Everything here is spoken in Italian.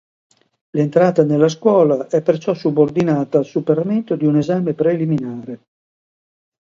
L'entrata nella scuola è perciò subordinata al superamento di un esame preliminare.